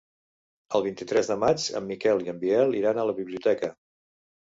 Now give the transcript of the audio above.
El vint-i-tres de maig en Miquel i en Biel iran a la biblioteca.